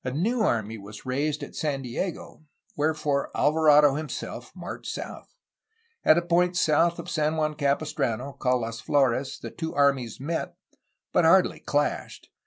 A new army was raised at San Diego, wherefore Alvarado him self marched south. At a point south of San Juan Capis trano called Las Flores the two armies met, but hardly clashed.